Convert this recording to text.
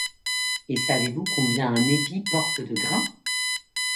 Et savez-vous combien un épi porte de grains